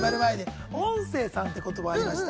音声さんって言葉がありました。